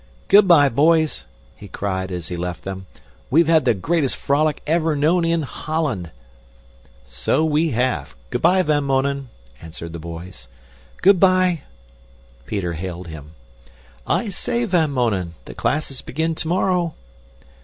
"Good bye, boys!" he cried as he left them. "We've had the greatest frolic ever known in Holland." "So we have. Good bye, Van Mounen!" answered the boys. "Good bye!" Peter hailed him. "I say, Van Mounen, the classes begin tomorrow!"